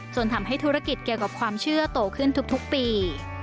ทำให้ธุรกิจเกี่ยวกับความเชื่อโตขึ้นทุกปี